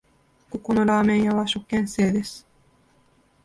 ここのラーメン屋は食券制です